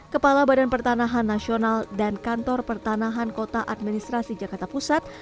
kepala badan pertanahan nasional dan kantor pertanahan kota administrasi jakarta pusat